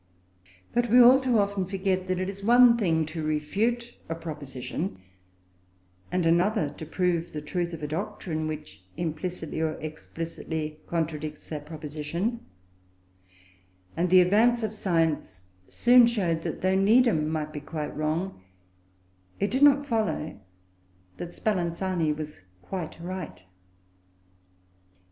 But we all too often forget that it is one thing to refute a proposition, and another to prove the truth of a doctrine which, implicitly or explicitly, contradicts that proposition; and the advance of science soon showed that though Needham might be quite wrong, it did not follow that Spallanzani was quite right.